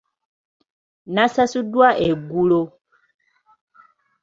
Nasasuddwa eggulo.